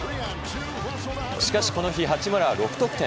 しかしこの日、八村は６得点。